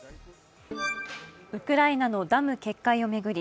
ウクライナのダム決壊を巡り